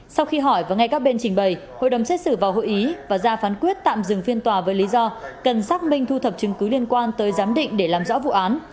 sau khi hỏi và ngay các bên trình bày hội đồng xét xử vào hội ý và ra phán quyết tạm dừng phiên tòa với lý do cần xác minh thu thập chứng cứ liên quan tới giám định để làm rõ vụ án